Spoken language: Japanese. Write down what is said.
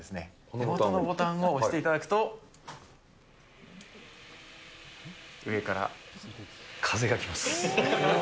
手元のボタンを押していただくと、上から。風が来ます。